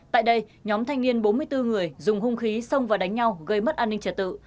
tại đây nhóm thanh niên bốn mươi bốn người dùng hung khí xông vào đánh nhau gây mất an ninh trật tự